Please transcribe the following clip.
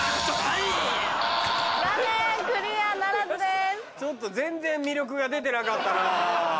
残念クリアならずです。